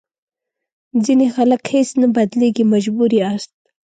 ځینې خلک هېڅ نه بدلېږي مجبور یاست.